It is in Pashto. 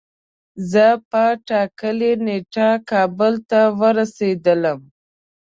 زه په ټاکلی نیټه کابل ته ورسیدلم